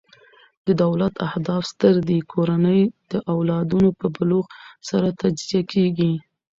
د دولت اهداف ستر دي؛ کورنۍ د او لادونو په بلوغ سره تجزیه کیږي.